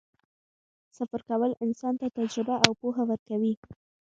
سفر کول انسان ته تجربه او پوهه ورکوي.